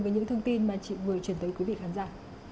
với những thông tin mà chị vừa chuyển tới quý vị khán giả